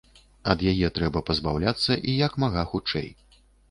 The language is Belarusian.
Ад яе трэба пазбаўляцца і як мага хутчэй.